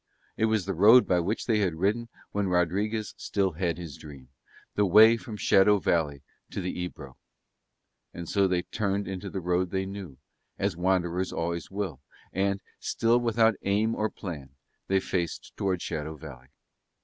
It was the road by which they had ridden when Rodriguez still had his dream, the way from Shadow Valley to the Ebro. And so they turned into the road they knew, as wanderers always will; and, still without aim or plan, they faced towards Shadow Valley.